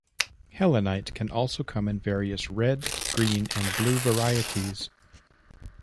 Helenite can also come in various red, green and blue varieties.